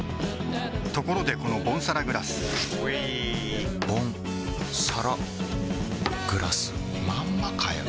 ところでこのボンサラグラスうぃボンサラグラスまんまかよ